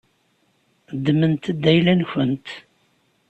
Ddmemt-t d ayla-nkent.